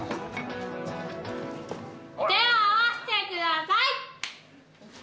手を合わせてください！